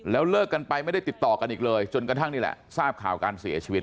เลิกกันไปไม่ได้ติดต่อกันอีกเลยจนกระทั่งนี่แหละทราบข่าวการเสียชีวิต